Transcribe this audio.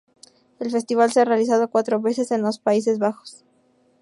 El festival se ha realizado cuatro veces en los Países Bajos.